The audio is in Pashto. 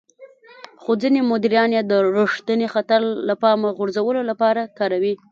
خو ځينې مديران يې د رېښتيني خطر له پامه غورځولو لپاره کاروي.